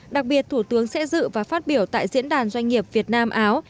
đặc biệt thủ tướng sẽ dự và phát biểu tại diễn đàn doanh nghiệp việt nam áo